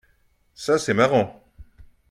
Ça c'est marrant